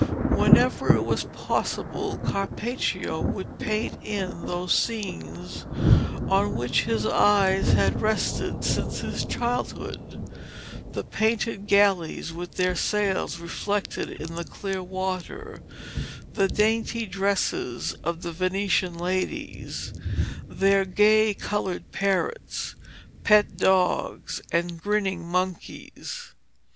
Whenever it was possible, Carpaccio would paint in those scenes on which his eyes had rested since his childhood the painted galleys with their sails reflected in the clear water, the dainty dresses of the Venetian ladies, their gay coloured parrots, pet dogs, and grinning monkeys.